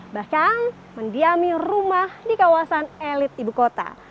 bahkan mendiami rumah di kawasan elit ibu kota